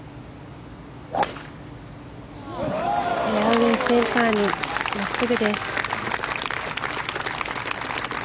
フェアウェーセンターに真っすぐです。